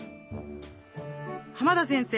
濱田先生